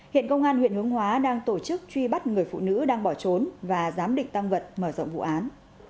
hiện công an huyện hướng hóa đang tổ chức truy bắt người phụ nữ đang bỏ trốn và giám định tăng vật mở rộng vụ án